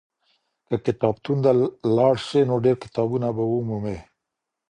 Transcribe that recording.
که کتابتون ته لاړ سې نو ډېر کتابونه به ومومې.